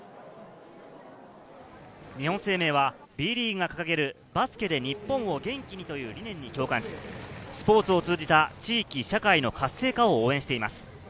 日本生命はＢリーグが掲げる「バスケで日本を元気に」という理念に共感し、スポーツを通じた地域・社会の活性化を応援しています。